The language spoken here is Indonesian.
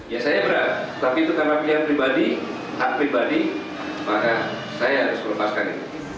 ya saya berat tapi itu karena pilihan pribadi hak pribadi maka saya harus melepaskan itu